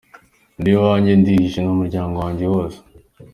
Ndi iwanjye, ndihishe n’umuryango wanjye wose.